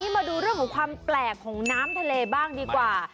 มาดูเรื่องของความแปลกของน้ำทะเลบ้างดีกว่า